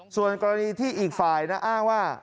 ส่วนกรณีที่อีกฝ่ายนะอ้างว่า